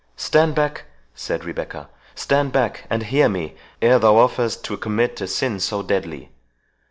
"Stand back," said Rebecca—"stand back, and hear me ere thou offerest to commit a sin so deadly!